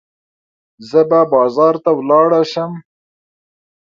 زه به بازار ته ولاړه شم.